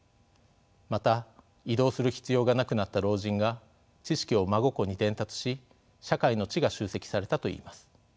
また移動する必要がなくなった老人が知識を孫子に伝達し社会の知が集積されたといいます。